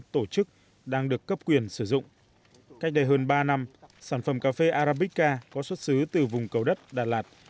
trong ba năm sản phẩm cà phê arabica có xuất xứ từ vùng cầu đất đà lạt